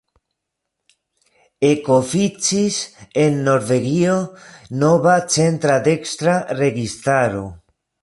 Ekoficis en Norvegio nova centra-dekstra registaro.